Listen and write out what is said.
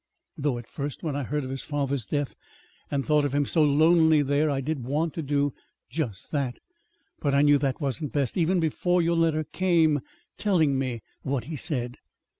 Though at first, when I heard of his father's death and thought of him so lonely there, I did want to do just that. But I knew that wasn't best, even before your letter came telling me what he said.